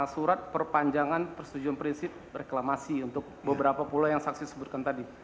surat perpanjangan persetujuan prinsip reklamasi untuk beberapa pulau yang saksi sebutkan tadi